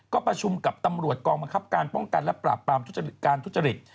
ก็ประชุมกับตำรวจกองบังคับการป้องกันและปราบปรามทุจริตการทุจริต